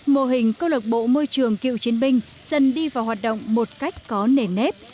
mô hình câu lạc bộ môi trường cựu chiến binh dần đi vào hoạt động một cách có nền nếp